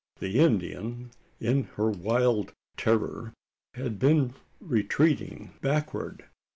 The Indian in her wild terror had been retreating backward.